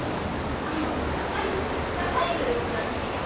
あの子ださいしださいグループだし。